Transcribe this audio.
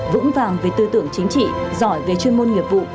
vững vàng về tư tưởng chính trị giỏi về chuyên môn nghiệp vụ